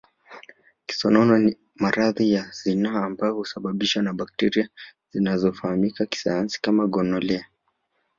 Kisonono ni maradhi ya zinaa ambayo husababishwa na bakteria zinazofahamika kisayansi kama gonolea